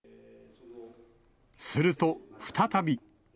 すると再び。